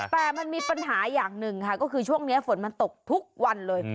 แต่มันมีปัญหาอย่างหนึ่งค่ะก็คือช่วงนี้ฝนมันตกทุกวันเลย